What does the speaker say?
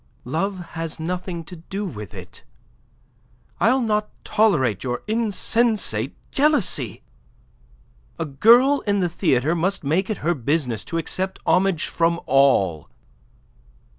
"Love has nothing to do with it. I'll not tolerate your insensate jealousy. A girl in the theatre must make it her business to accept homage from all."